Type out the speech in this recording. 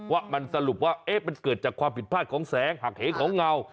ว่ามันสรุปว่ามันเกิดจากความผิดพลาดของแสงหักเหงของเงา